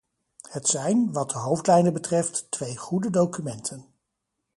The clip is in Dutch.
Het zijn, wat de hoofdlijnen betreft, twee goede documenten.